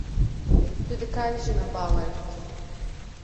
Tu dikarî ji min bawer bikî.